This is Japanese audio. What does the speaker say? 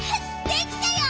できたよ！」